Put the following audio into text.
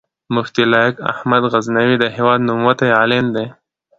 مفتي لائق احمد غزنوي د هېواد نوموتی عالم دی